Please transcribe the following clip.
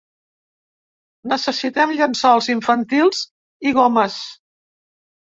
Necessiten llençols infantils i gomes.